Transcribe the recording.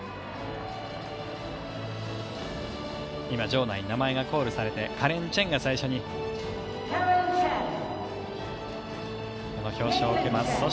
今、場内に名前がコールされてカレン・チェンが最初に表彰を受けます。